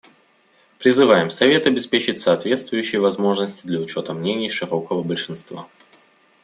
Призываем Совет обеспечить соответствующие возможности для учета мнений широкого большинства.